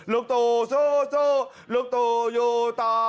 ลุงต่อสู้สู้ลุงต่อยู่ต่อ